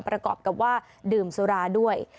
ประกอบกับว่าดื่มสุราด้วย